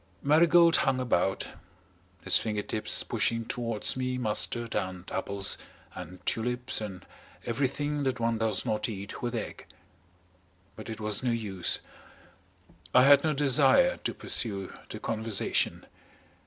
Marigold hung about, his finger tips pushing towards me mustard and apples and tulips and everything that one does not eat with egg. But it was no use. I had no desire to pursue the conversation.